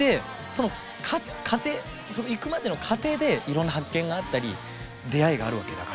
その行くまでの過程でいろんな発見があったり出会いがあるわけだから。